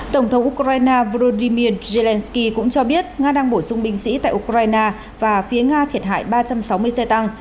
tổng thống ukraine volodymyr zelenskyy cũng cho biết nga đang bổ sung binh sĩ tại ukraine và phía nga thiệt hại ba trăm sáu mươi xe tăng